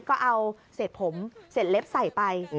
ก็เอาเศษผมเสร็จเล็บใส่ไป